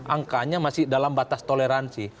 angkanya masih dalam batas toleransi